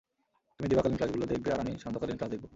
তুমি দিবাকালীন ক্লাসগুলো দেখবে আর আমি সন্ধ্যাকালীন ক্লাস দেখব।